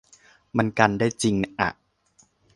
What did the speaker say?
มันกันได้จิงอ่ะ